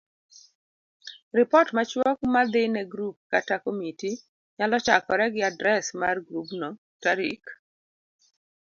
Ripot machuok madhi ne grup kata komiti nyalo chakore gi adres mar grubno, tarik